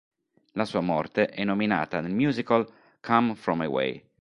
La sua morte e nominata nel musical "Come From Away".